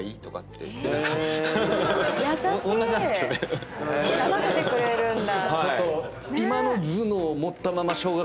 優しい！選ばせてくれるんだ。